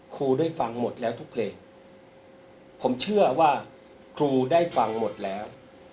ครูได้ฟังหมดแล้วทุกเพลงผมเชื่อว่าครูได้ฟังหมดแล้ว